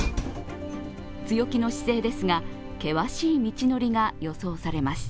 強気の姿勢ですが、険しい道のりが予想されます。